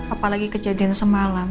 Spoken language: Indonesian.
apalagi kejadian semalam